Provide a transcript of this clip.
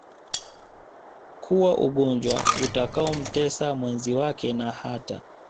kuwa ugonjwa utakaomtesa mwenzi wake na hata